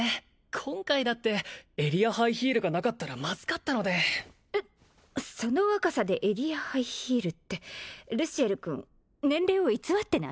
今回だってエリアハイヒールがなかったらまずかったのでその若さでエリアハイヒールってルシエル君年齢を偽ってない？